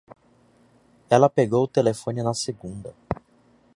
Ela pegou o telefone na segunda.